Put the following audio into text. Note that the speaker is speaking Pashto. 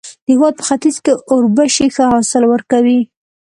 د هېواد په ختیځ کې اوربشې ښه حاصل ورکوي.